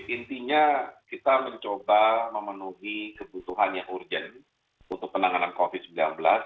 intinya kita mencoba memenuhi kebutuhan yang urgent untuk penanganan covid sembilan belas